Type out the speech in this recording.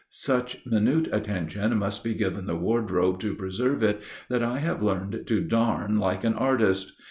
Such minute attention must be given the wardrobe to preserve it that I have learned to darn like an artist.